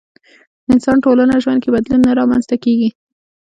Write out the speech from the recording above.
انسان ټولنه ژوند کې بدلون نه رامنځته کېږي.